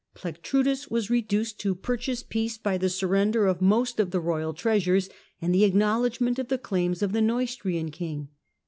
Plectrudis was reduced to purchase peace by the sur ender of most of the royal treasures and the acknowledg Successes nent of the claims of the Neustrian king.